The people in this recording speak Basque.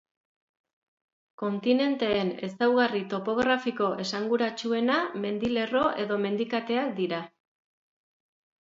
Kontinenteen ezaugarri topografiko esanguratsuena mendilerro edo mendikateak dira.